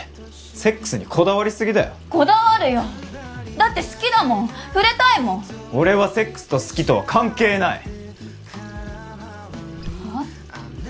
セックスにこだわりすぎだよこだわるよだって好きだもん触れたいもん俺はセックスと好きとは関係ないはあ？